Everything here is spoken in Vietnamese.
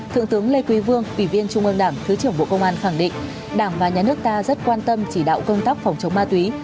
thượng tướng lê quý vương ủy viên trung ương đảng thứ trưởng bộ công an khẳng định đảng và nhà nước ta rất quan tâm chỉ đạo công tác phòng chống ma túy